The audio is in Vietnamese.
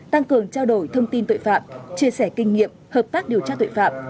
tăng cường trao đổi thông tin tội phạm chia sẻ kinh nghiệm hợp tác điều tra tội phạm